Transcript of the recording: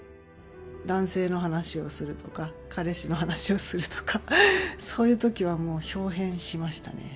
男性の話をするとか、彼氏の話をするとか、そういうときはもう、ひょう変しましたね。